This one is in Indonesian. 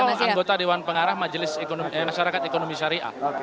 bidang anggota dewan pengarah majelis ekonomi masyarakat ekonomi syariah